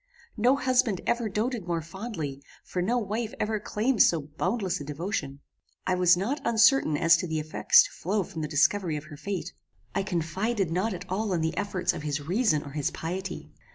No husband ever doated more fondly, for no wife ever claimed so boundless a devotion. I was not uncertain as to the effects to flow from the discovery of her fate. I confided not at all in the efforts of his reason or his piety.